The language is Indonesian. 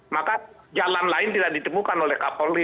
maka jalan lain tidak ditemukan oleh kapolri